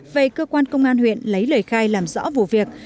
về cơ quan công an huyện lấy lời khai làm rõ vụ việc